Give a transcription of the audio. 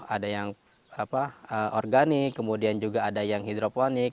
ada yang organik kemudian juga ada yang hidroponik